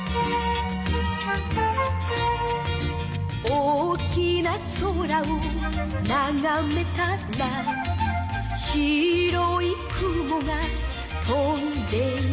「大きな空をながめたら」「白い雲が飛んでいた」